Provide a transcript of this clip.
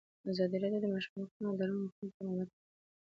ازادي راډیو د د ماشومانو حقونه د اړونده قوانینو په اړه معلومات ورکړي.